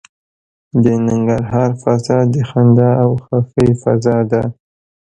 د ننګرهار فضا د خندا او خوښۍ فضا ده.